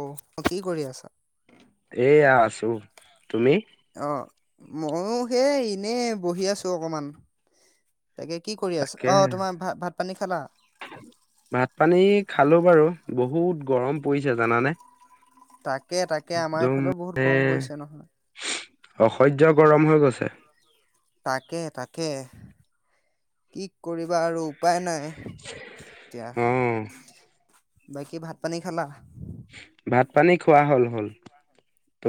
অ কি কৰি আছা। এয়া আছো তুমি। অ ময়ো সেই এনে বহি আছো অকমান। তাকে কি কৰি আছা অহ তাকেহে তোমাৰ ভাত ভাত পানী খালা। ভাত পানী খালো বাৰু বহুত গৰম পৰিছে জানানে। তাকে। তাকে তাকে আমাৰ একদম এইফালেও বহুত মানে গৰম পৰিছে নহয়। অসহ্য গৰম হৈ গৈছে। তাকে তাকে কি কৰিবা আৰু উপায় নাই। এতিয়া। অ। বাকী ভাত পানী খালা। ভাত পানী খোৱা হল হ'ল।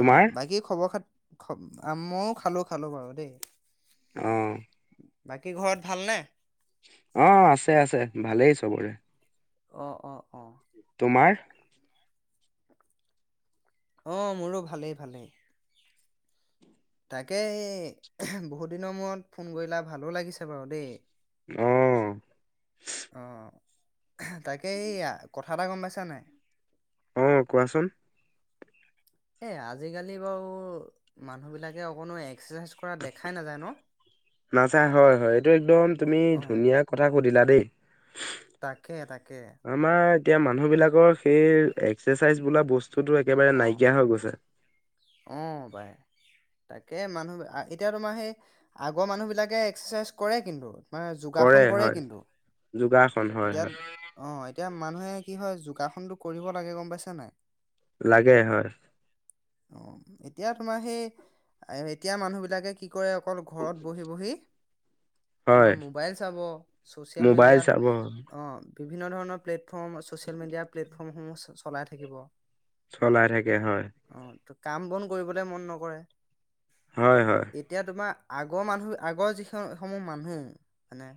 অ বাকী খবৰ খাতি। খ আ মইও খালো খালো বাৰু দেই। অহ। বাকী ঘৰত ভালনে। অ আছে আছে ভালেই চবৰে অ অ অ। তোমাৰ। অ মোৰো ভালেই ভালেই। তাকে এই বহুত দিনৰ মূৰত ফোন কৰিলা ভালো লাগিছে বাৰু দেই। অ অহ। তাকে এইয়া কথা এটা গম পাইছা নাই। অ কোৱাচোন। এ আজিকালি বাৰু মানুহ বিলাকে অকণো। এক্সাৰচাইজ কৰা দেখাই নাযায় ন নাযায় হয় হয় এইটো একদম তুমি অ ধুনীয়া কথা সুধিলা দেই। তাকে তাকে। আমাৰ এতিয়া মানুহবিলাকৰ সেই এক্সাৰচাইজ বোলা বস্তু। তোটো একেবাৰে নাইকিয়া হৈ গৈছে। অঁ পাই, তাকে মানুহ এতিয়া তোমাৰ সেই আগৰ মানুহবিলাকে এক্সাৰচাইজ কৰে কিন্তু। মানে যোগাসন কৰে কিন্তু যোগাসন হয় এতিয়া হয় অঁ এতিয়া মানুহে কি হয় যোগাসনতো কৰিব লাগে গম পাইছা নাই? লাগে হয়। অ এতিয়া তোমাৰ সেই এতিয়া মানুহবিলাকে কি কি কৰে অকল ঘৰত বহি বহি, হয় তোমাৰ মোবাইল চাব, চচিয়েল মোবাইল চাব মিডিয়াত অ বিভিন্ন ধৰণৰ প্লেট ফৰ্ম ছচেল মিডিয়া প্লেট অসমসমূহ চ চলাই থাকিব। চলাই থাকে হয়। টো কাম বন কৰিবলে মন নকৰে। হয় হয় এতিয়া তোমাৰ আগৰ মানুহ আগৰ যিসমসমূহ মানুহ মানে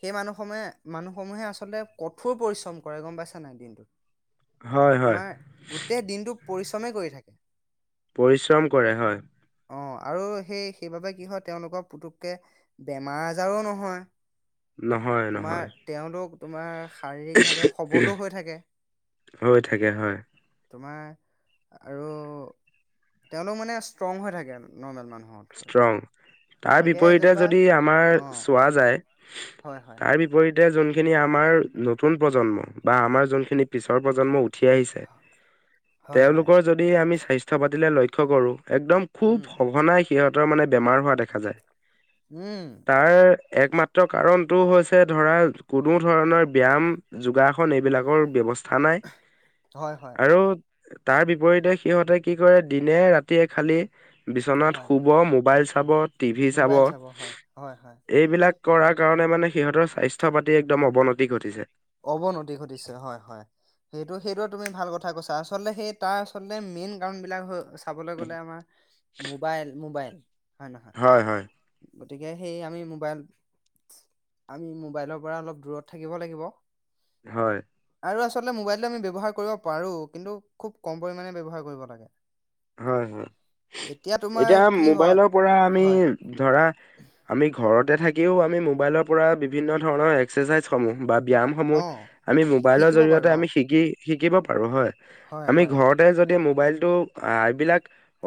সেই মানুহসমূহে মানুহসমূহে আচলতে কঠোৰ পৰিশ্ৰম কৰে গম পাইছো নাই দিনটোত? হয় হয়। তোমাৰ গোটেই দিনটো পৰিশ্ৰমে কৰি থাকে। পৰিশ্ৰম কৰে হয়। অ আৰু সেই সেইবাবে কি হয় তেওঁলোকৰ পুতুককে বেমাৰ আজাৰো নহয়। নহয় তোমাৰ নহয়। তেওঁলোক তোমাৰ শাৰীৰিকভাৱে ইচহী সবলো ইহ হৈ থাকে। হয় থাকে হয়। তোমাৰ আৰু তেওঁলোক মানে ষ্ট্ৰং হৈ থাকে নৰ্মেল মানুহ। ষ্ট্ৰং তাৰ বিপৰীতে যেনিবা যদি আমাৰ অঁ চোৱা যায় হয় হয় তাৰ বিপৰীত তে যোনখিনি আমাৰ নতুন প্ৰজন্ম বা আমাৰ যোনখিনি পিছৰ প্ৰজন্ম ঠে আহিছে, হয় হয় তেওঁলোকৰ যদি আমি স্বাস্থ্য পাতিলে লক্ষ্য কৰোঁ। একদম খুব উম সঘনাই সিহঁতৰ মানে বেমাৰ হোৱা দেখা যায়। উম। তাৰ একমাত্ৰ কাৰণটো হৈছে ধৰা কোনো ধৰণৰ ব্যায়াম, যোগাসন এইবিলাকৰ ব্যৱস খা নাই হয় হয় আৰু তাৰ বিপৰীতে সিহঁতে কি কৰে দিনে - ৰাতিয়ে খালি বিশ্বনাথ হয় মোবাইল চাব- টিভি চাব মোবাইল হয় হয় হয় এইবিলাক-। কৰাৰ কাৰণে মানে সিহঁতৰ স্বাস্থ্য পাতি একদম অৱনতি ঘটিছে। অৱনতি ঘটিছে হয় হয়। সেইটো সেইটো তুমি ভাল কথা কৈছা আচলতে সেই তাৰ আচলতে মেইন কাৰণ বিলাক-। চাবলৈ গ'লে আমাৰ মোবাইল মোবাইল- হয় হয়। গতিকে সেই আমি মোবাইল আমি মোবাইলৰ পৰা অলপ দূৰত থাকিব লাগিব। হয়। আৰু আচলতে মোবাইলটো আমি ব্যৱহাৰ কৰিব পাৰো কিন্তু খুব কম পৰিমাণে ব্যৱহাৰ কৰিব লাগে। হয় হয় তোমাৰ এতিয়া কি হয় মোবাইলৰ পৰা হয় আমি- ধৰা আমি ঘৰ- ত'তে থাকিও আমি মোবাইলৰ পৰা বিভিন্ন ধৰণৰ এক্সাৰচাইজ হমোঁ- বা ব্যয়াম সমূহ অঁ আমি মোবাইলৰ শিকিব জৰিয়তে পাৰোঁ অঁ আমি শিকিব - শিকিব পাৰো হয়। হয় আমি হয় ঘৰতে যদি মোবাইল- টো- এইবিলাক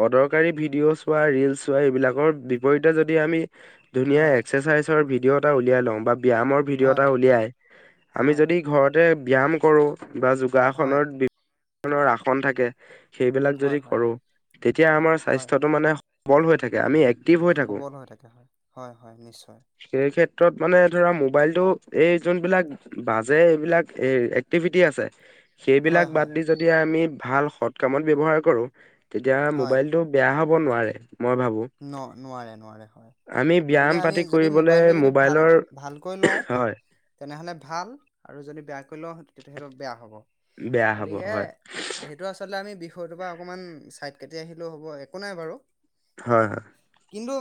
অদৰকাৰী ভিডিঅ' চোৱা, ৰিলচ চোৱা এইবিলাকৰ বিপৰীতে যদি আমি- ধুনীয়া হয় এক্সাৰচাইজ- ভিডিঅ' এটা উলিয়াযই লওঁ বা- ব্যায়ামৰ ভিডিঅ' হয় এটা উলিয়াই আমি হয় যদি ঘৰত- তে ব্যায়াম কৰোঁ- বা হয় যোগাসনৰ- নৰ আসন থাকে। সেইবিলাক হয় যদি- হয় কৰো তেতিয়া আমাৰ হয় স্বাস্থ্যটো মানে- বল হৈ থাকে। আমি এক- সবল হৈ থাকে হয় হয় হয় নিশ্চয়। ক্ষ্ৰত মানে ধৰা মোবাইলটো এই যোনবিলাক বাজে এইবিলাক এ এক্টিভিটি আছে। হয় সেইবিলাক হয় বাদ দি যদি আমি- ভাল সৎ কামত ব্যৱহাৰ কৰোঁ- তেতিয়া হয় মোবাইলটো বেয়া হ'ব- নোৱাৰে। মই ভাবো ন নোৱাৰে নোৱাৰে হয়। আমি ব্যায়াম গতিকে আমি পাতি যদি কৰিবলে মোবাইলটো যদি ভাল মোবাইলৰ ভালকৈ লওঁ হয় তেনেহলে ভাল আৰু যদি বেয়াকৈ লওঁ- তেয়া সেইটো বেয়া হ'ব বেয়া হ'ব গতিকে হয় সেইটো আচলতে আমি বিষয়টোৰ পৰা অকমান চাইট কাটি আহিলেও হ'ব, একো নাই বাৰু হয় হয়। কিন্তু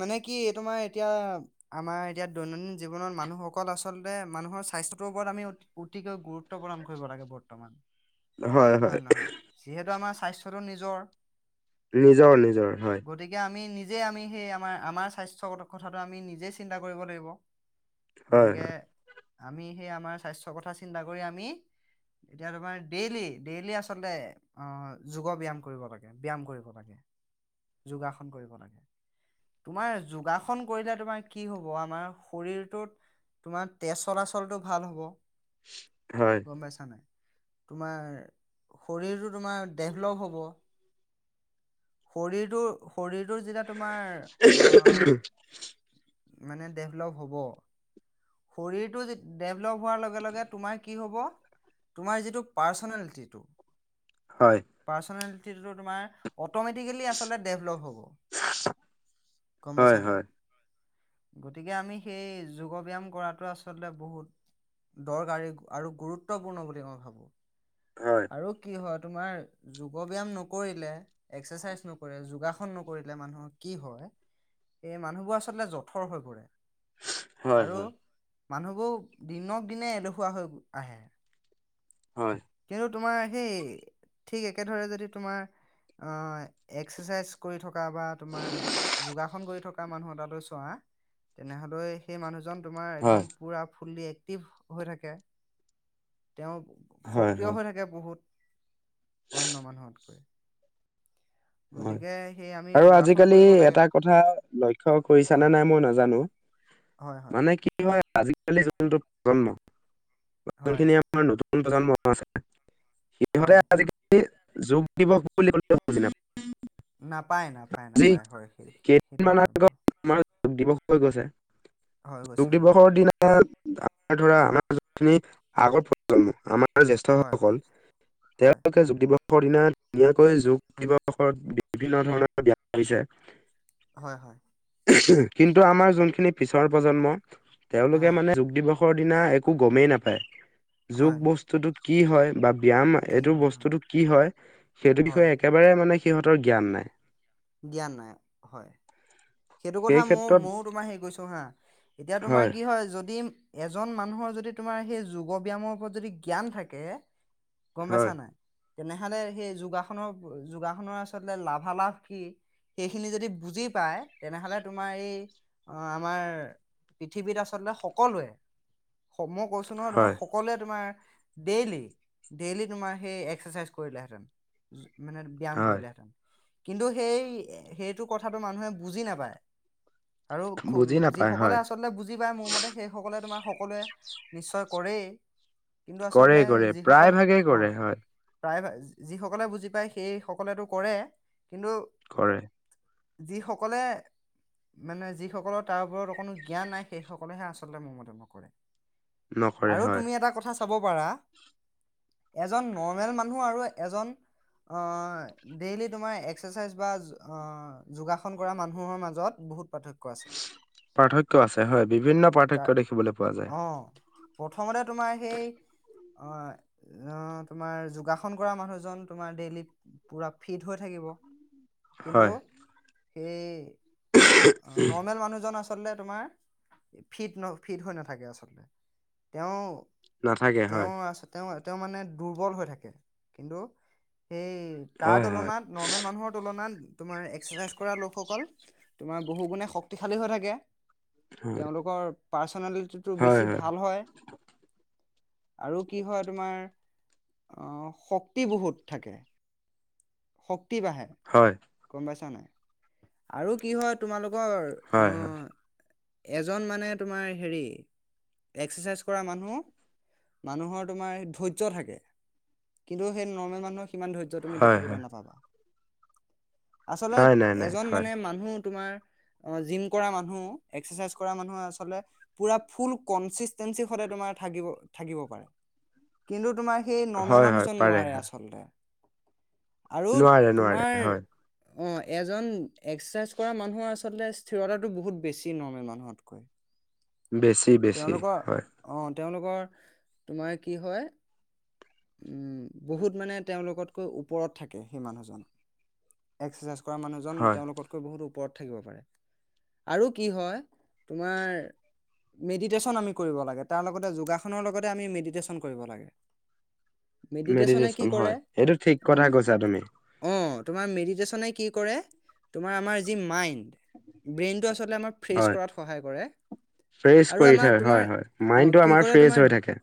মানে কি তোমাৰ এতিয়া আমাৰ এতিয়া দৈনন্দিন জীৱনত মানুহসকল আচলতে মানুহৰ স্বাস্থ্য টোৰ ওপৰত আমি অতিকৈ গুৰুত্ব প্ৰদান কৰিব লাগে বৰ্তমান। হয় হয়। নহয় যিহেতু আমাৰ স্বাস্থ্যটো নিজৰ নিজৰ-নিজৰ। গতিকে আমি নিজ নিজে আমি সেই আমাৰ -আমাৰ স্বাস্থ্য কথাটো আমি নিজে চিন্তা কৰিব লাগিব। হয় গতিকে আমি সেই আমাৰ স্বাস্থ্যৰ কথা চিন্তা কৰি আমি, এতিয়া তোমাৰ ডেইলি ডেইলি আচলতে, অহ যোগ' ব্যায়াম কৰিব লাগে, ব্যায়াম কৰিব লাগে। যোগাসন কৰিব লাগে। তোমাৰ যোগাসন কৰিলে তোমাৰ কি হব, আমাৰ শৰীৰটোত তোমাৰ তেজ চলাচলটো ভাল হব। হয় গম পাইছা নাই? তোমাৰ শৰীৰটো তোমাৰ ডেভলপ হ'ব। শৰীৰটোৰ শৰীৰটোৰ যেতিয়া তোমাৰ, আহ মানে ডেভলপ হ'ব। শৰীৰটো যে ডেভ লভ হোৱাৰ লগে লগে তোমাৰ কি হ'ব তোমাৰ যিটো পাৰ্চনেলিটিটো হয় পাৰ্চনেল টো তোমাৰ অতম কিলি আচলতে ডেভলপ হ'ব। গম পাইছ হয় নাই? হয় গতিকে আমি সেই যোগ' ব্যায়াম কৰাটো আচলতে বহুত দৰকাৰী আৰু গুৰুত্বপূৰ্ণ বুলি মই ভাবো। হয় আৰু কি হয় তোমাৰ যোগ' ব্যায়াম নকৰিলে এক্সাৰচাইজ নকৰে, যোগাসন নকৰিলে মানুহৰ কি হয়। এই মানুহবোৰ আচলতে জঠৰ হৈ পৰে। হয় আৰু হয়। মানুহবোৰ দিনক দিনে এলেহোৱা হৈ আহে। হয়। কিন্তু তোমাৰ সেই ঠিক একেদৰে যদি তোমাৰ, আহ এক্সাৰচাইজ কৰি থকা বা তোমাৰ যোগাসন কৰি থকা মানুহ এটালৈ চোৱা, তেনেহলে সেই মানুহজন তোমাৰ হয় একদম পুৰা ফুল্লি একটিভ হৈ থাকে। তেওঁ হয় হয় সক্ৰিয় হৈ থাকে বহুত। অন্য মানুহতকৈ। হয় গতিকে সেই আমি আৰু যোগাসন আজিকালি কৰিব লাগে এটা কথা লক্ষ্য কৰিছানে হয় নাই মই নাজানো, হয় হয় মানে কি হয় আজিকালি যুনটো প্ৰজন্ম হয় খিনি আমাৰ নতুন টুন প্ৰজন্ম আছে। হয় সিহঁতে আজি লি যোগ দিৱস বুলি ক'লেও বুজি নাপাই। নাপায় নাপায় নাপায়, হয় সেই সেইটো হয় বাৰু। দিব কিয় গৈছে? হয় যোগ গৈছে হয় দিৱসৰ দিনা আম ধৰা আমাৰ আগৰ প্ৰজন্ম আমাৰ। হয় জ্যেষ্ঠসকল হয় হয় তেওঁলোকে য। দিনা ধুনীয়াকৈ যোগ দিব। বিভিন্ন ধৰণৰ [unintelligible] হয় হয় কিন্তু আমাৰ যোনখিনি। পিছৰ প্ৰজন্ম। তেওঁলোকে হয় মানে যোগ দিৱস ৰ দিনা একো গমেই নাপায়। যোগ হয় বস্তুটোত। কি হয় বা। ব্যায়াম কি এইটো হয় হয় বস্তুতটো কি হয় সেইটো বিষয়ে হয় একেবাৰে মানে। সিহঁতৰ জ্ঞান নাই। জ্ঞান নাই হয়। সেইটো কথা সেই ময় ক্ষেত্ৰত ময়ো তোমাৰ হেৰি কৈছো হা, এতিয়া তোমাৰ কি হয় যদি। এজন মানুহৰ যদি তোমাৰ সেই যোগ ব্যয়ায়ামৰ ওপৰত যদি জ্ঞান থাকে। কম বেচা হয় নাই। তেনেহলে সেই যোগাসনৰ যোগাসনৰ আচলতে লাভালাভ কি সেইখিনি যদি বুজি পায়। তেনেহলে তোমাৰ এই, আমাৰ পৃথিৱীত আচলতে সকলোৱে। মই কৈছো নহ তোমাৰ হয় সকলোৱে তোমাৰ ডেইলি, ডেইলি তোমাৰ সেই একৰচাইজ কৰিলেহেঁতেন। মানে ব্যায়াম হয় কৰিলেহেঁতেন। কিন্তু সেই সেইটো কথাটো মানুহে। বুজি নাপায়। আৰু বুজি নাপায় যিসকলে হয় আচলতে বুজি পায়, মোৰ মতে সেই সকলে তোমাৰ সকলোৱে, নিশ্চয়। কৰে। কৰে কৰে, প্ৰায় ভাগেই অ' কৰে হয়। প্ৰায় যিসকলে বুজি পায় সেই সকলে কৰে। কিন্তু। কৰে যিসকল সকলে মানে যিসকলৰ তাৰ ওপৰত অকোনো জ্ঞান নাই সেই সকলেহে আচলতে মোৰমতে নকৰে নকৰে আৰু হয় তুমি এটা কথা লব পাৰা এজন নৰ্মেল মানুহ আৰু এজন অ ডেইলি তোমাৰ এক্সাৰচাইজ বা যোগাষণ কৰা মানুহৰ মাজত বহুত পাৰ্থক্য আছে পাৰ্থক্য আছে হয় বিভিন্ন কা- পাৰ্থক্য দেখিবলৈ পোৱা যায়। অ প্ৰথমতে তোমাৰ সেই অ অ, তোমাৰ যোগাসন কৰা মানুহজন তোমাৰ ডেইলি পুৰা ফিট হৈ থাকিব কিন্তু হয় সেই অ নৰ্মেল মানুহজন আচ চলতে তোমাৰ, ফিট ন ফিট হৈ নাথাকে আচলতে। তেওঁ নাথাকে তেওঁ হয় আছে তেওঁ তেওঁ মানে দুৰ্বল হৈ থাকে কিন্তু সেই তাৰ হয় হয় তুলনাত নৰ্মেল মানুহৰ তুলনাত তোমাৰ এক্সাৰচাইজ কৰা লোকসকল তোমাৰ বহু গুণে শক্তিশালী হৈ থাকে। হয় তেওঁলোকৰ পাৰ্চনেলিটিটো হয় বেছি ভাল হয়। আৰু কি হয় তোমাৰ, আহ শক্তি বহুত থাকে। শ ক্তি বাঢ়ে, হয় গম পাইছা নাই। আৰু কি হয় তোমালোক ৰ হয় হয় উম এজন মানে তোমাৰ হেৰি, এক্সাৰচাইজ কৰা মানুহ, মানুহৰ তোমাৰ ধৈৰ্য থাকে কিন্তু সেই নৰ্মেল মানুহৰ সিমান ধৈৰ হয় হয় [unintelligible] নাই আচলতে নাই নাই এজন হয় মানে মানুহ তোমাৰ জিম কৰা মানুহ এ, ক্সাচাইজ কৰা মানুহ আচলতে পুৰা ফোল কনচিচটেনচি হলে তোমাৰ থাকিব থাকিব পাৰে। কিন্তু তোমাৰ সেই নৰ্মেল হয় হয় মানুহজন পাৰে নোৱাৰে হয় আচলতে। আৰু নোৱাৰে নোৱাৰে তোমাৰ হয়। অ এজন এক্সাৰচাইজ কৰা মানুহৰ আচলতে স্থিৰতাটো বহুত বেছি নৰ্মেল মানুহতকৈ। বেছি বেছি তেওঁলোকৰ হয়। অ তেওঁলোকৰ, তোমাৰ কি হয় উম, বহুত মানে তেওঁলোকতকৈ ওপৰত থাকে সেই মানুহজন এক্সাৰচাইজ কৰা মানুহজন হয় তেওঁলোকতকৈ বহুত ওপৰত থাকিব পাৰে, আৰু কি হয়, তোমাৰ মেডিটেশ্যন আমি কৰিব লাগে, তাৰ লগতে যোগাসনৰ লগতে আমি মেডিটেশ্যন কৰিব লাগে। মেডিটেশ্যনে কি মেডিটেশ্যন কৰে হয়, সেইটো ঠিক অ কথা কৈছা তুমি। অ তোমাৰ মেডিটেশ্যনে কি কৰে তোমাৰ আমাৰ যি মাইণ্ড ব্ৰেইনটো আচলতে আমাৰ ফ্ৰেছ হয়। কৰাত সহায় কৰে, ফ্ৰেছ আৰু কৰি আমাৰ থয় তোমাৰ হয় হয় অঁ মাইণ্ডটো কি আমাৰ কৰে ফ্ৰেছ তোমাৰ হৈ থাকে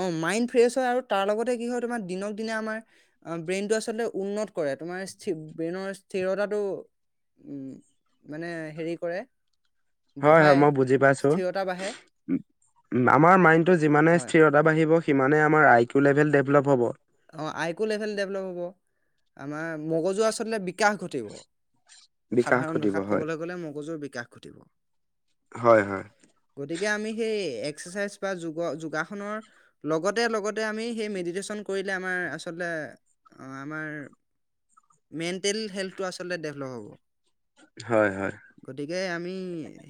অঁ মাইণ্ড ফ্ৰেছ হয় আৰু তাৰ লগতে কি হয় তোমাৰ দিনক দিনে আমাৰ ব্ৰেইনটো আচলতে উন্নত কৰে তোমাৰ ব্ৰেইনৰ স্থিৰতাটো উম মানে হেৰি কৰে। হয় হয় বঢ়ায় মই বুজি পাইছো স্থিৰতা বাঢ়ে আমাৰ মাইণ্ডটো যিমানে হয় স্থিৰতা বাঢ়িব সিমানে আমাৰ আই কিউ লেভেল ডেভেলপ হ'ব অ আইকো লেভেল ডেভলপ হ'ব আমাৰ। মগজু আচলতে বিকাশ ঘটে টি ব বিকাশ সাধাৰণ ঘটিব ভাষাত হয় ক'বলৈ গ'লে মগজুৰ বিকাশ ঘটিব হয় হয় গতিকে আমি সেই এক এক্সাৰ্চাইজ বা যোগাসনৰ লগতে লগতে আমি সেই মেডিটেচন কৰিলে আমাৰ আচলতে আমাৰ মেণ্টেল হেল্থটো আচলতে ডেভলপ হ'ব। হয় হয় যে আ্মি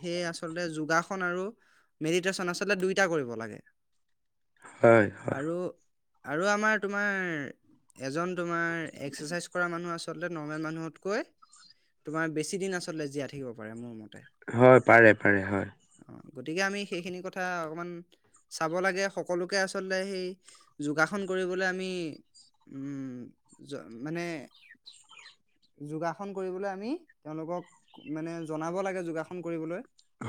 সেয়ে আঁচলতে যোগাস ষণ আৰু মেডিটেচন আচলতে দুইটা কৰিব লাগে। হয় হয় আৰু আৰু আমাৰ তোমাৰ এজন তোমাৰ এক্সাৰ্চাইজ কৰা মানুহ আছে আচলতে নৰ্মেল মানুহতকৈ তোমাৰ বেছি দিন আচলতে জীয়াই থাকিব পাৰে মোৰ মতে। হয় পাৰে পাৰে হয়। অ গতিকে আমি সেইখিনি কথা অকমান চাব লাগে সকলোকে আচলতে সেই যোগ ন কৰিবলৈ আমি উম মানে যোগাসন কৰিবলৈ আমি তেওঁলোকক মানে জনাব লাগে যোগাসন কৰিবলৈ।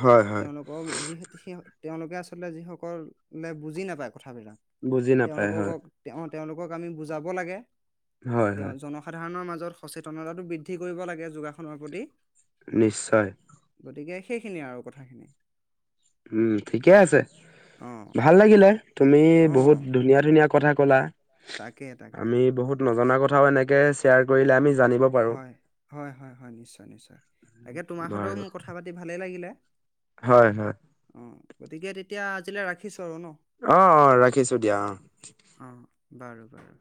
হয় হয় তেওঁলোকক যিহেতু সেই তেওঁলোকে আচলতে যিসকললে বুজি নাপায় বুজি নাপায় হয় অ তেওঁলোকক আমি বুজাব লাগে হয় তেওঁ হয় জনসাধাৰণৰ মাজত ত সচেতনতাটো বৃদ্ধি কৰিব লাগে যোগাসনৰ প্ৰতি। নিশ্চয়। গতিকে সেইখিনিয়ে আৰু কথাখিনি। উম ঠিকে আছে। অ ভাল লাগিলে তুমি অ বহুত ধুনীয়া ধুনীয়া কথা, ক'লা। তাকে তাকে। আমি বহুত নজনা কথাও এনেকে শ্বেয়াৰ কৰিলে আমি, জানিব পাৰো হয় হয় হয় হয় নিশ্চয় নিশ্চয়। তাকে তোমাৰ সৈতেও বাৰু মোৰ কথা পাতি ভালেই লাগিলে। হয় হয়। অ গতিকে তেতিয়া আজিলৈ ৰাখিছ- অ অ ৰাখিছো দিয়া অ। অ বাৰু বাৰু।